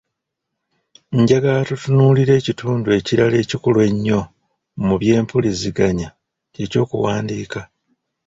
Njagala tutunuulire ekitundu ekirala ekikulu ennyo mu by’empuliziganya kye ky’okuwandiika.